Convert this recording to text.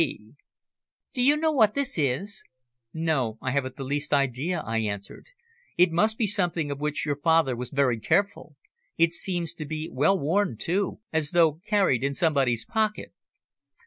B. B." "Do you know what this is?" "No, I haven't the least idea," I answered. "It must be something of which your father was very careful. It seems to be well worn, too, as though carried in somebody's pocket."